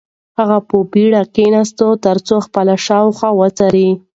هغه په بېړه کښېناست ترڅو خپل شاوخوا وڅاري.